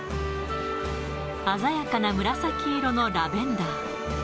鮮やかな紫色のラベンダー。